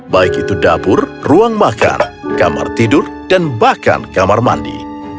baik itu dapur ruang makan kamar tidur dan bahkan kamar mandi